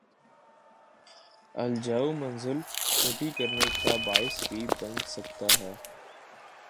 الجھاؤ منزل کھوٹی کرنے کا باعث بھی بن سکتا ہے۔